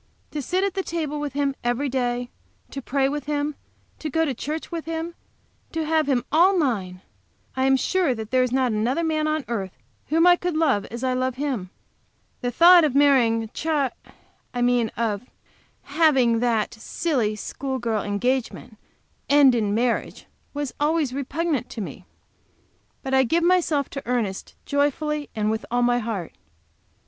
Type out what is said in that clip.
To sit at the table with him every day, to pray with him, to go to church with him, to have him all mine! I am sure that there is not another man on earth whom I could love as I love him. The thought of marrying Ch , I mean of having that silly, school girl engagement end in marriage, was always repugnant to me. But I give myself to Ernest joyfully and with all my heart.